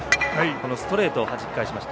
このストレートをはじき返しました。